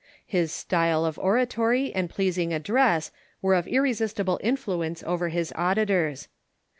His style of oratory and pleas ing address were of irresistible influence over his auditors.